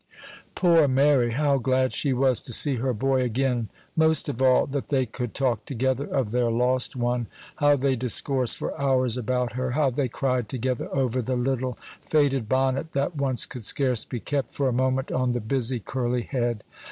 Poor Mary! how glad she was to see her boy again most of all, that they could talk together of their lost one! How they discoursed for hours about her! How they cried together over the little faded bonnet, that once could scarce be kept for a moment on the busy, curly head!